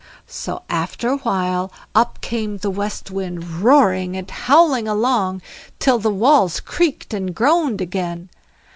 So after a while up came the West Wind, roaring and howling along till the walls creaked and groaned again.